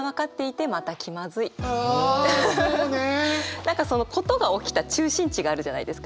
何かその事が起きた中心地があるじゃないですか。